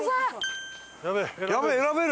やべえ選べる！